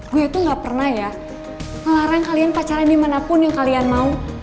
gue itu gak pernah ya melarang kalian pacaran dimanapun yang kalian mau